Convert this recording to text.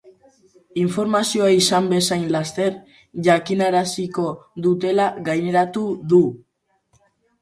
Informazioa izan bezain laster jakinaraziko dutela gaineratu du.